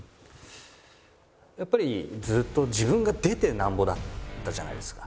やっぱりずっと自分が出て何ぼだったじゃないですか。